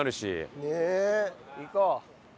行こう。